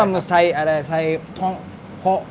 น้ำมันหมูใส่อะไรใส่หอมญี่ปุ่น